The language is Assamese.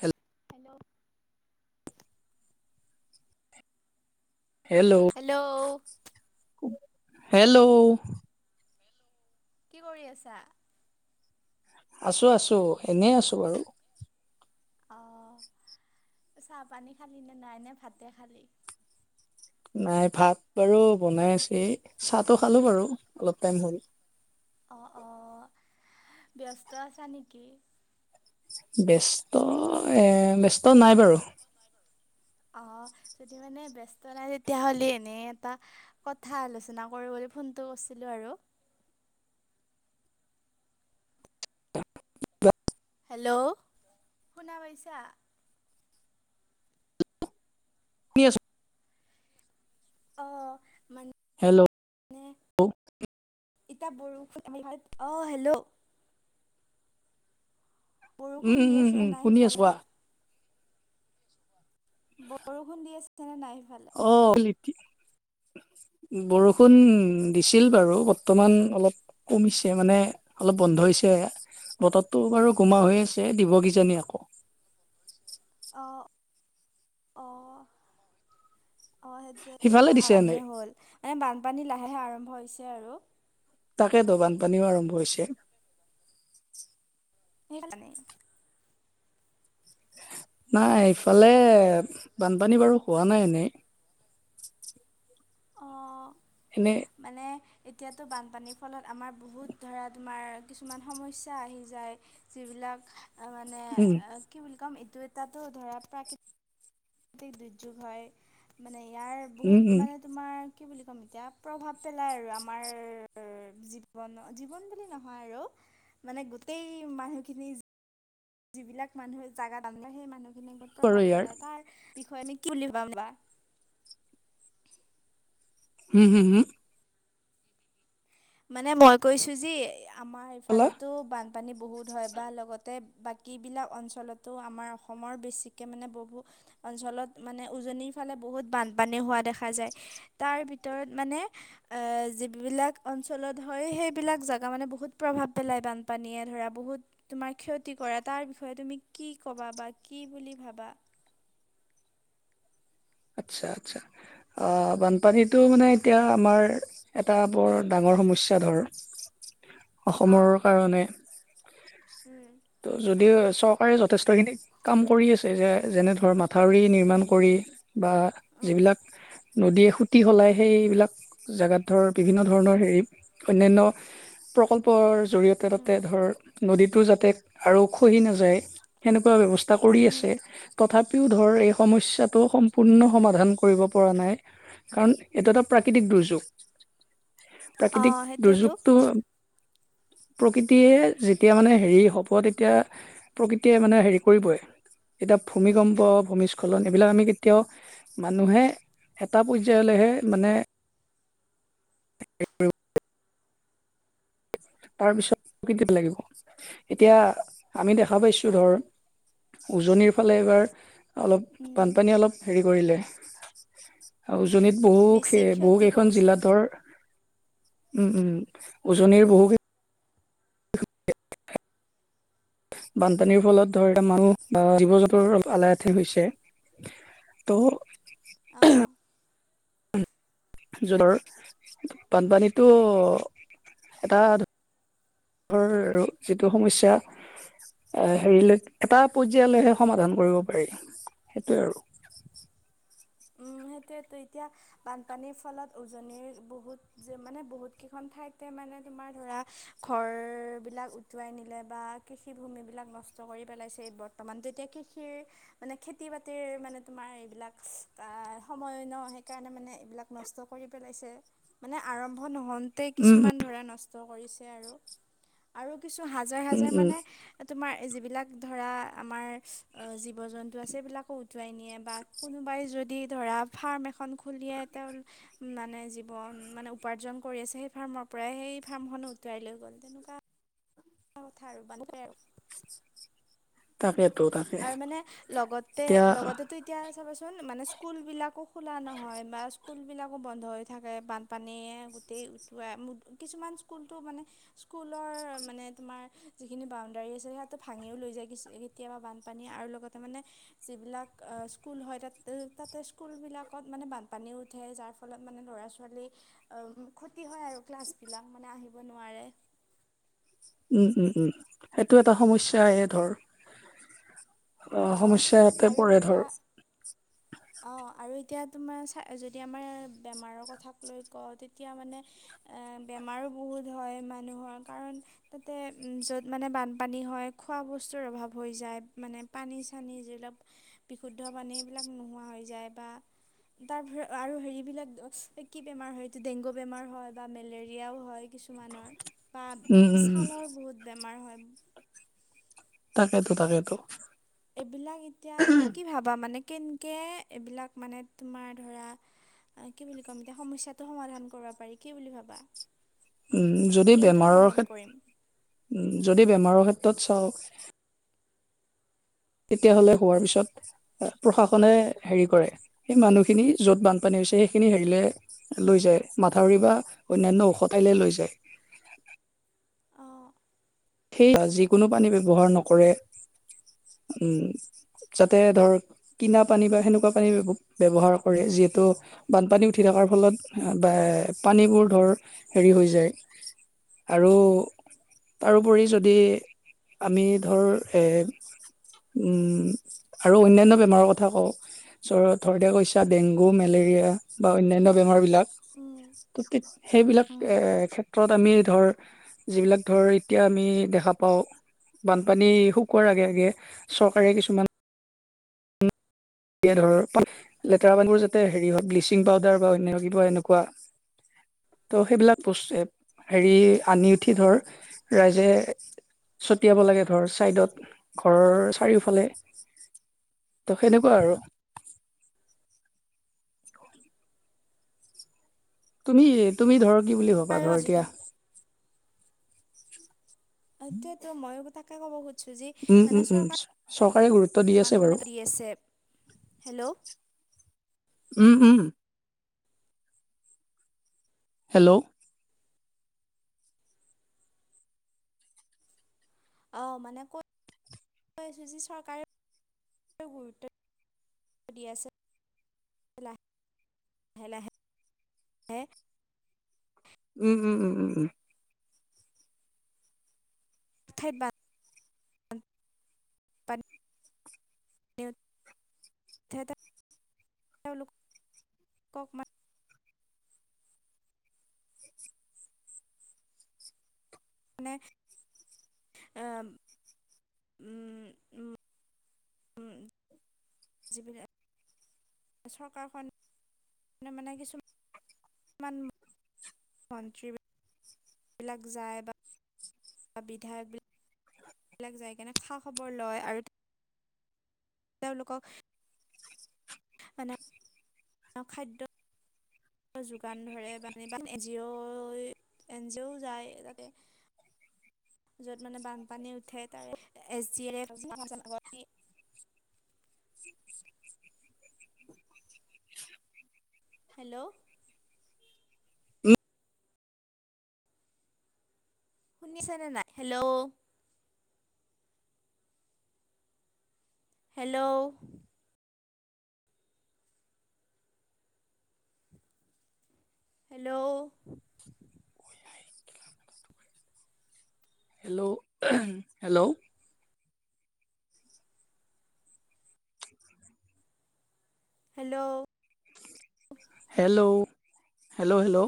Hello hello hello hello hello লে কি কৰি আছা আছোঁ আছোঁ এনেই আছোঁ বাৰু অঁ চাহপানী খালি নে নাইনেে ভাতে খালি নাই ভাত বাৰু বনাই আছে, চাহটো খালোঁ বাৰু অলপ টাইম হ'ল। অ', অ', ব্যস্ত আছা নেকি? ব্যস্ত এ, ব্যস্ত নাই বাৰু। অ', যদি মানে ব্যস্ত নাই তেতিয়াহ'লে এনেই এটা কথা আলোচনা কৰোঁ বুলি ফোনটো কৰিছিলোঁ আৰু। হেল্ল'! শুনা পাইছা? [inaudible] অ', মান হেল্ল'! ইতা বৰষুণ [unintelligible] অ', হেল্ল'! বৰষুণ উম, দি উম, আছে উম, নাই শুনি আছোঁ সিফালে কোৱা। বৰষুণ দি আছে নে নাই সেইফালে? অ', [unintelligible] বৰষুণ দিছিল বাৰু, বৰ্তমান অলপ কমিছে মানে অলপ বন্ধ হৈছে, বতৰতো বাৰু গোমা হৈ আছে, দিব কিজানি আকৌ। অ', অ'। অ', সেইটোয়েটো সিফালে দিছে [unintelligible] এনে হ'ল মানে বানপানী লাহে, লাহে আৰম্ভ হৈছে আৰু। তাকেটো বানপানীও আৰম্ভ হৈছে! [inaudible] নাই ইফালে বানপানী বাৰু হোৱা নাই এনেই। অ'। এনে মানে এতিয়াতো বানপানীৰ ফলত আমাৰ বহুত ধৰা তোমাৰ কিছুমান সমস্যা আহি যায়। যিবিলাক মানে উম অ', কি বুলি কম এইটো এটা ধৰা প্ৰাকৃ তিক দুৰ্যোগ হয়, মানে ইয়াৰ উম বহুত উম মানে তোমাৰ কি বুলি ক'ম এতিয়া প্ৰভাৱ পেলাই আৰু আমাৰ জীৱনত, জীৱন বুলি নহয় আৰু মানে গোটেই মানুহখিনি যিবিলাক মানুহে জাগাত আনা নাই সেই মানুহখিনিৰ কথা বাৰু ভাৱ ইয়াৰ পেলাই, তাৰ বিষয়ে [unintelligible] কি বুলি ভাবা? হুম, হুম, হু! মানে মই কৈছোঁ যি আমাৰ কলা ইফালেতো বান পানী বহুত হয়, বা লগতে বাকীবিলাক অঞ্চলতো আমাৰ অসমৰ বেছিকৈ মানে বহু অঞ্চলত মানে উজনিৰ ফালে বহুত বানপানী হোৱা দেখা যায়। তাৰ ভিতৰত মানে আহ, যিবিবিলাক অঞ্চলত হয়, সেইবিলাক জেগা মানে বহুত প্ৰভাৱ পেলায় বানপানীয়ে ধৰা বহুত তোমাৰ ক্ষতি কৰে, তাৰ বিষয়ে তুমি কি ক'বা বা কি বুলি ভাবা? আচ্ছা, আচ্ছা। আ, বানপানীতটো মানে এতিয়া আমাৰ এটা বৰ ডাঙৰ সমস্যা ধৰ। অসমৰ অঁ কাৰণে, উম ত' যদিও চক কাৰে যথেষ্টখিনি কাম কৰি আছে, যে যেনে ধৰ মাথাউৰি নিৰ্মাণ কৰি বা উম যিবিলাক নদীয়ে সুতি সলায়, সেইবিলাক জেগাত ধৰ বিভিন্ন ধৰণৰ হেৰি অন্যান্য প্ৰকল্পৰ জৰিয়তে উম তাতে ধৰ, নদীটো যাতে আৰু খহি নাযায় সেনেকুৱা ব্যৱস্থা কৰি উম, আছে, তথাপিও ধৰ এই সমস্যাটো সম পূৰ্ণ সমাধান কৰিব পৰা নাই, কাৰণ এইটো এটা প্ৰাকৃতিক দুৰ্যোগ। প্ৰাকৃতিক অ', সেইটোৱেতো। দুৰ্যোগটো প্ৰকৃতিয়ে যেতিয়া মানে হেৰি হ'ব তেতিয়া প্ৰকৃতিয়ে মানে হেৰি কৰিবই। এতিয়া ভূমিকম্প, ভূমিস্খলন এইবিলাক আমি ওঁ মানুহে এটা পৰ্যায়লেহে মানে [inaudible] তাৰপিছত প্ৰকৃতিত লাগিব এতিয়া আমি দেখা পাইছো ধৰ উজনিৰ ফালে এবাৰ অলপ উম, বানপানী অলপ হেৰি কৰিলে উজনিত বহু বেছি বহু ক্ষতি কেইখন কৰিছে। জিলাতৰ উম উ উজনিৰ বহু বানপানীৰ ফলত ধৰ মানুহ বা জীৱ জন্তুৰ আলাহঠে হৈছে। তো অ'। জোলৰ বানপানীতো এটা যিটো সমস্যা এ হেৰিলৈ এটা পৰ্যায়লৈহে সমাধান কৰিব পাৰি সেইটোৱে আৰু। সেইটোৱো এতিয়া বানপানীৰ ফলত উজনিৰ বহুত যে মানে বহুত কেইখন ঠাইতে মানে তোমাৰ ধৰা ঘৰ বিলাক উটুৱাই নিলে বা কৃষিভূমিবিলাক নষ্ট কৰি পেলাইছে বৰ্তমান এতিয়া কৃষিৰ মানে খেতি বাতিৰ মানে তোমাৰ এইবিলাক আহ সময়ো ন সেইকাৰণে মানে এইবিলাক নষ্ট কৰি পেলাইছে মানে আৰম্ভ নহ'ল। তাতে উম উম কিছুমান ধৰা নষ্ট কৰিছে আৰু আৰু কিছু হাজাৰ, উম হাজাৰ উম মানে তোমাৰ যিবিলাক ধৰা আমাৰ জীৱ জন্তু আছে সেই বিলাকো উটুৱাই নিয়ে বা কোনোবাই যদি ধৰা ফাৰ্ম এখন খুলিয়াই তেওঁ মানে জীৱন মানে উপাৰ্জন কৰি আছে সেই ফাৰ্মৰ পৰাই সেই ফাৰ্মখনো উটৱাই লৈ গ'ল তেনেকুৱা কথা আৰু বান পায় আৰু- [unintelligible] তাকেতো। তাকে আৰু মানে লগতে এতিয়া লগতেতো এতিয়া চাবচোন মানে স্কুলবিলাকো খোলা নহয় বা স্কুলবিলাকো বন্ধ হৈ থাকে বানপানীয়ে গোটেই উটোৱাই কিছুমান স্কুলটো মানে স্কুলৰ মানে তোমাৰ যিখিনি বাউণ্ডাৰী আছিলে সেইাতটো ভাঙিও লৈ যায় কেতিয়াবা বান্ধ পানী আৰু লগতে মানে যিবিলাক স্কুল হয় তাতে তাতে স্কুলবিলাকত মানে বানপানীও উঠে যাৰ ফলত মানে ল'ৰা ছোৱালী ক্ষতি হয় আৰু ক্লাছবিলাক মানে আহিব নোৱাৰে উম, উম, উম সেইটো এটা সমস্যাই ধৰ সমস্যা ইয়াতে পৰে ধৰ। অ', আৰু এতিয়া তোমাৰ যদি আমাৰ বেমাৰৰ কথাক লৈ কওঁ তেতিয়া মানে এ বেমাৰো বহুত হয় মানুহৰ কাৰণ তাতে য'ত মানে বানপানী হয় খোৱা বস্তুৰ অভাৱ হৈ যায় মানে পানী চানি যিবিলাক বিশুদ্ধ পানীবিলাক নোহোৱা হৈ যায় বা তাৰ আৰু হেৰিবিলাক কি বেমাৰ হয় এইটো ডেংগু বেমাৰ হয় বা মেলেৰিয়াও হয়। কিছুমানৰ বা উম উম ছালৰ বহুত বেমাৰ হয়। তাকেতো তাকেতো। এইবিলাক এতিয়া কি ভাবা মানে কেনেকৈ এইবিলাক মানে তোমাৰ ধৰা কি বুলি ক'ম এতিয়া সমস্যাটো সমাধান কৰিব পাৰি কি বুলি ভাবা? উম যদি কেনেকৈ বেমাৰৰ সমাধান কৰিম ক্ষেত যদি বেমাৰৰ ক্ষেত্ৰত চাওঁক তেতিয়াহ'লে হোৱাৰ পিছত প্ৰশাসনে হেৰি কৰে সেই মানুহখিনি য'ত বানপানী হৈছে সেইখিনি হেৰিলে লৈ যায় মাথাউৰি বা অন্যান্য ও ঠাইলে লৈ যায়। অঁ সেই যিকোনো পানী ব্যৱহাৰ নকৰে উম, যাতে ধৰ কিনা পানী বা সেনেকুৱা পানী ব্যৱহাৰ কৰে যিহেতু বানপানী উঠি থকাৰ ফলত বা পানীবোৰ ধৰ হেৰি হৈ যায়। আৰু তাৰোপৰি যদি আমি ধৰ উম আৰু অন্যান্য বেমাৰৰ কথা কওঁ। চ থৰতে কৈছা ডেংগু মেলেৰিয়া বা অন্যান্য বেমাৰ বিলাক উম তিক সেইবিলাক উম এ ক্ষেত্ৰত আমি ধৰ যিবিলাক ধৰ এতিয়া আমি দেখা পাওঁ বানপানী শুকোৱাৰ আগে আগে চৰকাৰে কিছুমান এ ধৰ লেতেৰা পানীবোৰ যাতে হেৰি হওঁক ব্লিচিং পাউদাৰ বা অন্য কিবা এনেকুৱা ত' সেইবিলাক বস্তু হেৰি আনি উঠি ধৰ ৰাইজে ছটিয়াব লাগে ধৰ চাইডত ঘৰৰ চাৰিওফালে। ত সেনেকুৱা কুৱা আৰু। তুমি তুমি ধৰ কি বুলি ভবা? আৰু ধৰ এতিয়া আজিকালি এটিয়াতো মইয়ো তাকে ক'ব খোজো চুজি উম, উম, মানে উম, গুৰুত্ব দি চৰকাৰে আছে মানে বাৰু। কৰিদি আছে। হেল্ল'? উম, উম। হেল্ল'? অ' মানে কৈ কৈ আছো যে চৰকাৰে গুৰুত্ব দিয় [unintelligible] উম, উম, উম, উম, উম। ইথ [unintelligible] স [unintelligible] তেওঁক [unintelligible] মানে [unintelligible] জিপ [unintelligible] চৰকাৰখনে মানে কিছুমান কি মন্ত্ৰী বিলাক যায় বা বা বিধায়ক বিলাক বিলাক যাই কেনে খা খবৰ লয়। আৰু তেওঁলোকক মানে খাদ্য যোগান ধৰে বা জি এন জি অ'ও যায় তাতে। যত মানে বানপানী উঠে তাৰে এছ ডিৰে হেল্ল'? শুনিছনে নাই hello? Hello? Hello? Hello? Hello? Hello? Hello? Hello? Hello?